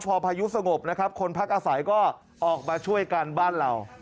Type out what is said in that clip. พอพายุสงบนะครับคนพักอาศัยก็ออกมาช่วยกันบ้านเรา